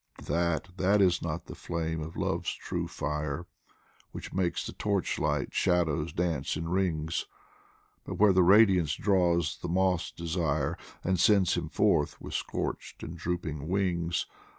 That, that is not the flame of Love's true fire Which makes the torchlight shadows dance in rings, But where the radiance draws the moth's desire And sends him forth with scorched and drooping wings.